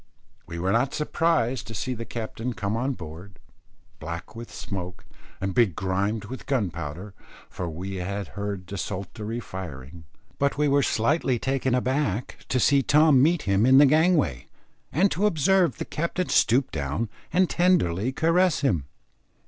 We were not surprised to see the captain come on board, black with smoke and begrimed with gunpowder, for we had heard desultory firing, but we were slightly taken aback to see Tom meet him in the gangway, and to observe the captain stoop down and tenderly caress him.